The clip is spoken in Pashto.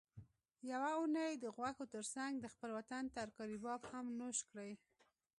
یوه اونۍ د غوښو ترڅنګ د خپل وطن ترکاري باب هم نوش کړئ